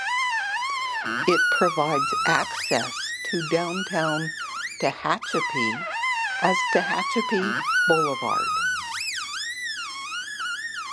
It provides access to downtown Tehachapi as Tehachapi Boulevard.